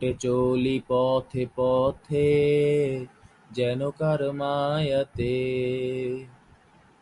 তিনি বর্তমানে তিরুবনন্তপুরম এবং কোচিতে বাস করেন।